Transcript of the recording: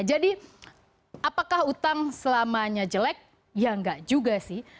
jadi apakah utang selamanya jelek ya enggak juga sih